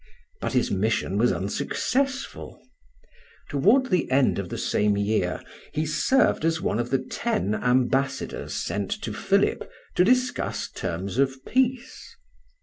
But his mission was unsuccessful. Toward the end of the same year he served as one of the ten ambassadors sent to Philip to discuss terms of peace.